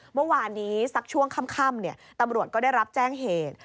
เมื่อวานนี้สักช่วงค่ำตำรวจก็ได้รับแจ้งเหตุ